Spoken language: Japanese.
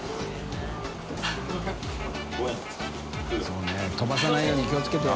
修Δ飛ばさないように気をつけてよ。